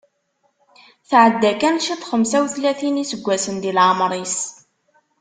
Tɛedda kan ciṭ i xemsa utlatin n yiseggasen di leɛmer-is.